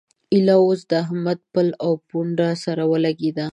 ايله اوس د احمد پل او پونده سره ولګېده.